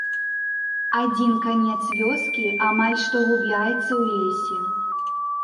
Адзін канец вёскі амаль што губляецца ў лесе.